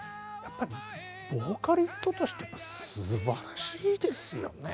ボーカリストとしてすばらしいですよね。